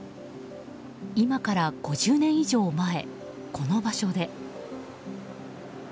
今から５０年以上前この場所で。